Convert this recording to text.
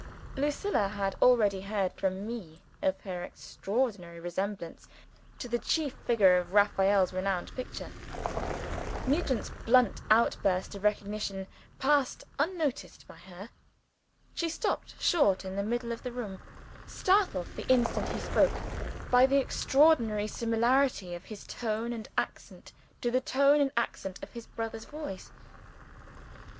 Lucilla had already heard from me of her extraordinary resemblance to the chief figure in Raphael's renowned picture. Nugent's blunt outburst of recognition passed unnoticed by her. She stopped short, in the middle of the room startled, the instant he spoke, by the extraordinary similarity of his tone and accent to the tone and accent of his brother's voice.